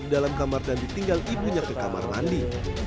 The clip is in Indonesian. di dalam kamar dan ditinggal ibunya ke kamar mandi